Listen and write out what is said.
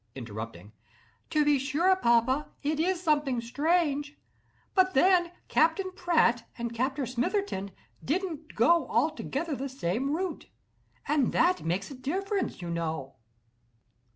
(Interrupting.) "To be sure, papa, it is something strange; but then Captain Pratt and Captain Smitherton didn't go altogether the same route, and that makes a difference, you know."